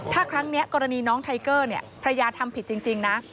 ถ้าครั้งนี้กรณีน้องไทเกอร์ภรรยาทำผิดจริงนะ